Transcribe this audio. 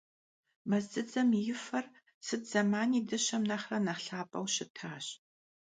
Мэз дзыдзэм и фэр сыт зэмани дыщэм нэхърэ нэхъ лъапӀэу щытащ.